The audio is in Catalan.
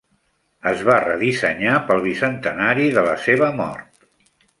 Es va redissenyar pel bicentenari de la seva mort.